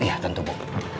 iya tentu bu